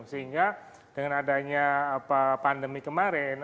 sehingga dengan adanya pandemi kemarin